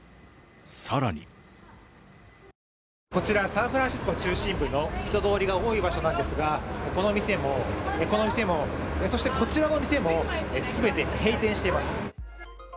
更にこちらサンフランシスコ中心部の人通りの多い場所なんですがこの店も、この店もそしてこちらの店も全て閉店しています。